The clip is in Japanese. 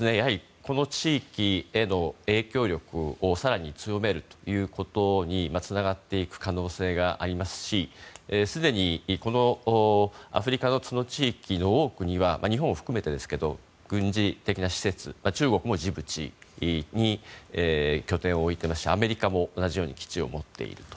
やはり、この地域への影響力を更に強めるということにつながる可能性がありますしすでにアフリカの角地域の多くには日本を含めて、軍事的な施設中国もジブチに拠点を置いていますしアメリカも同じように基地を持っていると。